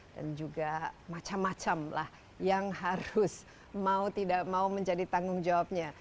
dan juga macam macam lah yang harus mau tidak mau menjadi tanggung jawabnya